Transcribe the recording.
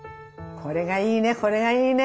これがいいね。